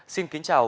xin kính chào